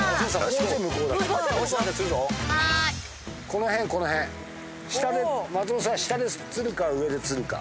この辺この辺松本さん下で釣るか上で釣るか。